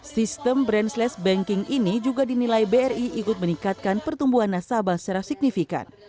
sistem branchless banking ini juga dinilai bri ikut meningkatkan pertumbuhan nasabah secara signifikan